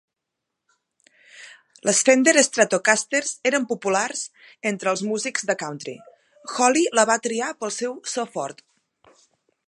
Les Fender Stratocasters eren populars entre els músics de country; Holly la va triar pel seu so fort.